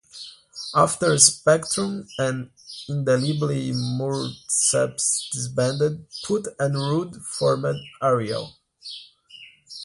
After Spectrum and Indelible Murtceps disbanded, Putt and Rudd formed Ariel.